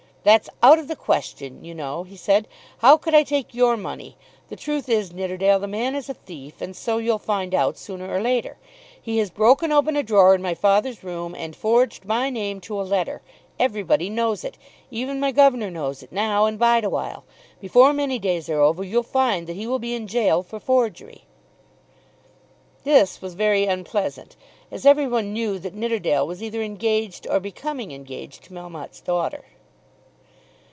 "That's out of the question, you know," he said. "How could I take your money? The truth is, Nidderdale, the man is a thief, and so you'll find out, sooner or later. He has broken open a drawer in my father's room and forged my name to a letter. Everybody knows it. Even my governor knows it now, and Bideawhile. Before many days are over you'll find that he will be in gaol for forgery." This was very unpleasant, as every one knew that Nidderdale was either engaged or becoming engaged to Melmotte's daughter.